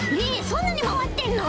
そんなにまわってんの？